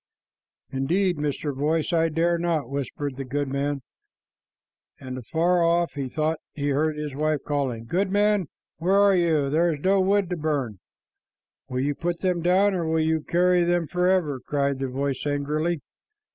"Indeed, Mr. Voice, I dare not," whispered the goodman; and afar off he thought he heard his wife calling, "Goodman, where are you? There is no wood to burn." "Will you put them down, or will you carry them forever?" cried the voice angrily.